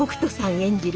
演じる